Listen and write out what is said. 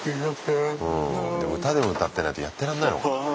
でも歌でも歌ってないとやってらんないのかな。